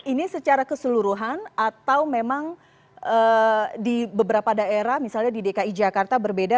ini secara keseluruhan atau memang di beberapa daerah misalnya di dki jakarta berbeda